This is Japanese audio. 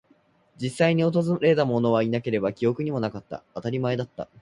実際に訪れたものはいなければ、記憶にもなかった。当たり前だった。